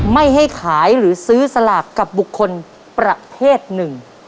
ไม่ให้ขายหรือซื้อสลากกับบุคคลประเภทหนึ่ง